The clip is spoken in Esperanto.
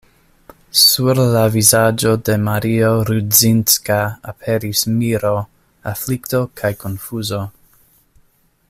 Sur la vizaĝo de Mario Rudzinska aperis miro, aflikto kaj konfuzo.